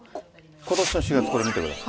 ことしの４月、これ見てください。